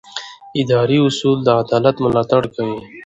اداري اصول د عدالت ملاتړ کوي.